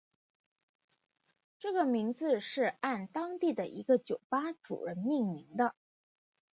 这个名字是按当地的一个酒吧主人命名的。